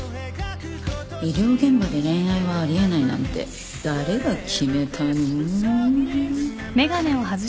医療現場で恋愛はあり得ないなんて誰が決めたの？